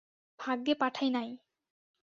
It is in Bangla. ভাগ্যে পাঠাই নাই।